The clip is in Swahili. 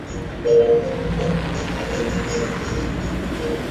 Aliyepiga alikuwa ni Andrea akitaka kujua kuwa yupo salama